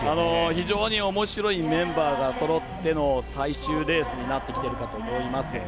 非常におもしろいメンバーがそろっての最終レースになってきているかと思います。